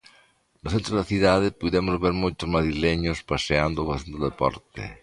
No centro da cidade puidemos ver moitos madrileños paseando ou facendo deporte.